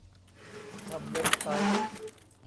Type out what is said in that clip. ทำเว็บไซต์